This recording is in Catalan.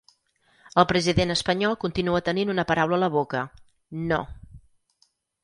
El president espanyol continua tenint una paraula a la boca: “No”.